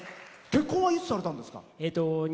結婚はいつされたんですか？